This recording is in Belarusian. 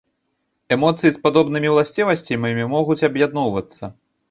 Эмоцыі з падобнымі уласцівасцямі могуць аб'ядноўвацца.